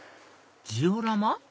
ジオラマ？